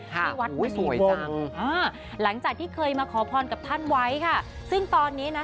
ที่วัดวิสุวงศ์หลังจากที่เคยมาขอพรกับท่านไว้ค่ะซึ่งตอนนี้นะ